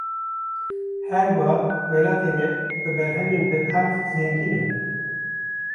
Her wiha welatê me bi berhemên binerd zengîn e.